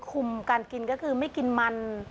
การกินก็คือไม่กินมัน